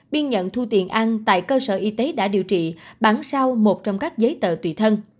biên nhận thu tiền ăn tại cơ sở y tế đã điều trị bản sao một trong các giấy tờ tùy thân